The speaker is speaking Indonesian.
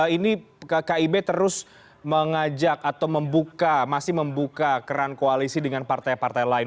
ini kib terus mengajak atau membuka masih membuka keran koalisi dengan partai partai lain